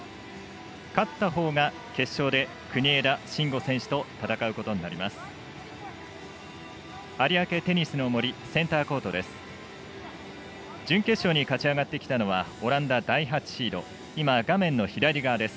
勝ったほうが決勝で国枝慎吾選手と戦うことになります。